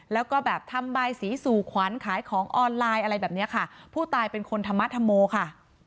แล้วก็แบบทำบายสีสู่ขวัญขายของออนไลน์อะไรแบบเนี้ยค่ะผู้ตายเป็นคนธรรมธรโมค่ะ